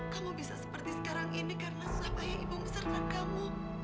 kamu bisa seperti sekarang ini karena sahabat yang ibu mesrakan kamu